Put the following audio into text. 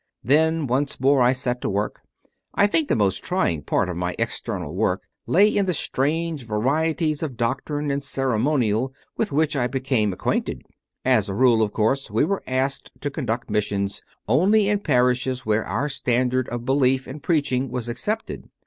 Then once more I set to work. I think the most trying part of my external work lay in the strange varieties of doctrine and ceremonial with which I became acquainted. As a rule, of course, we were asked to conduct missions only in parishes where our standard of belief and preaching was accepted.